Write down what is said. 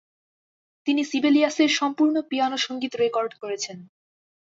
তিনি সিবেলিয়াসের সম্পূর্ণ পিয়ানো সঙ্গীত রেকর্ড করেছেন।